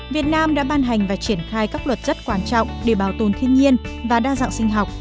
việt nam đã ban hành và triển khai các luật rất quan trọng để bảo tồn thiên nhiên và đa dạng sinh học